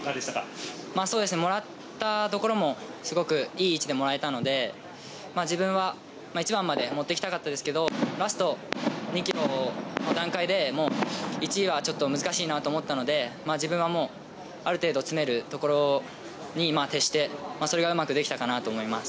もらったところもすごくいい位置でもらえたので、自分は１番まで持って行きたかったんですけれど、ラスト２ｋｍの段階で１位はちょっと難しいなと思ったので、自分はある程度詰めるところに徹してそれがうまくできたと思います。